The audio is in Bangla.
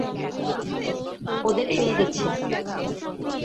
ওদের পেয়ে গেছি।